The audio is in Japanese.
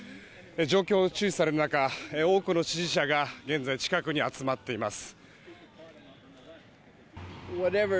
状況が注視される中多くの支持者が現在、近くに集まっています。